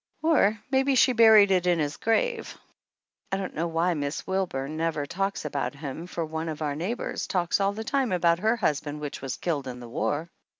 Or maybe she buried it in his grave. I don't know why Miss Wilburn never talks about him for one of our neighbors talks all the time about her hus band which was killed in the war.